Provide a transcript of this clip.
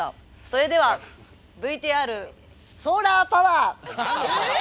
それではＶＴＲソーラーパワー！え！？